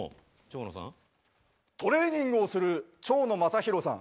トレーニングをする蝶野正洋さん。